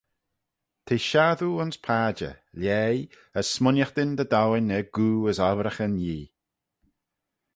T'eh shassoo ayns padjer, lhaih, as smooinaghtyn dy dowin er goo as obbraghyn Yee.